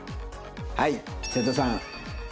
はい瀬戸さん。